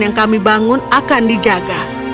yang kami bangun akan dijaga